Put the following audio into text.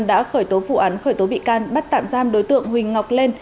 đã khởi tố vụ án khởi tố bị can bắt tạm giam đối tượng huỳnh ngọc lên